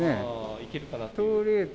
行けるかなと？